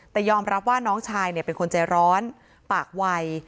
แต่ยอมรับว่าน้องชายเป็นคนใจร้อนปากไว